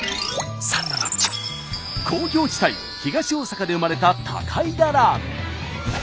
工業地帯・東大阪で生まれた高井田ラーメン。